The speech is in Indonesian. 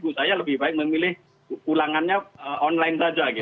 bu saya lebih baik memilih ulangannya online saja